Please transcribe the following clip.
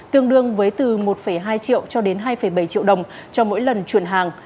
tương đương với từ một hai triệu cho đến hai bảy triệu đồng cho mỗi lần chuyển hàng